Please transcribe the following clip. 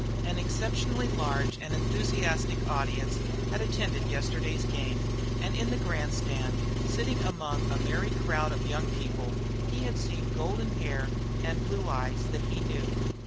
An exceptionally large and enthusiastic audience had attended yesterday's game, and in the grandstand, sitting among a merry crowd of young people, he had seen golden hair and blue eyes that he knew.